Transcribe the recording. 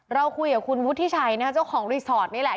เราคุยกับคุณวุฒิชัยนะคะเจ้าของรีสอร์ทนี่แหละ